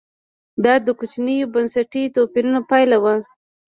دا د کوچنیو بنسټي توپیرونو پایله وه